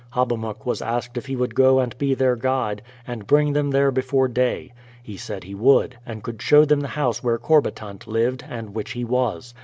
Hobbamok was asked if he would go and be their guide, and bring them there before day. He said he would, and could show them the house where Corbitant lived, and which he was.